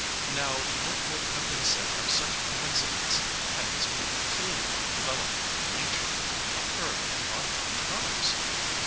Now, what would have been said of such a coincidence had this peculiar development of Nature occurred in bygone times?